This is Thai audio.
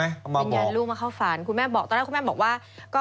วิญญาณลูกมาเข้าฝันคุณแม่บอกว่า